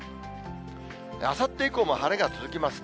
あさって以降も晴れが続きますね。